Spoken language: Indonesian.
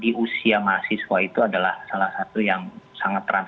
di usia mahasiswa itu adalah salah satu yang sangat transpa